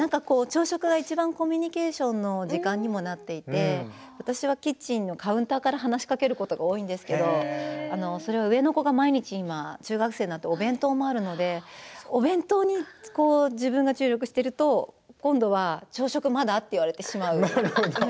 朝食がいちばんコミュニケーションの時間にもなっていて私はキッチンのカウンターから話しかけることが多いんですけど上の子が毎日今中学生になってお弁当もあるのでお弁当に自分が注力していると今度は朝食まだ？と言われてしまう。